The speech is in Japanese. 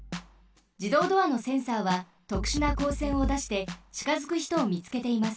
じどうドアのセンサーはとくしゅなこうせんをだしてちかづくひとをみつけています。